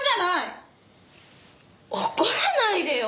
怒らないでよ。